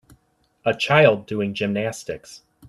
A child doing gymnastics